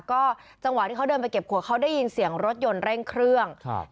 ก็จังหวะที่เขาเดินไปเก็บขวดเขาได้ยินเสียงรถยนต์เร่งเครื่องครับ